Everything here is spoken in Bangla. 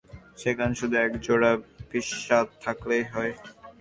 সেখানে শুধু এক জোড়া বিষদাঁত থাকলেই হয়।